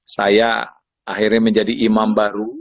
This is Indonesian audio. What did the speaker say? saya akhirnya menjadi imam baru